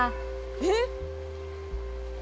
「えっ！」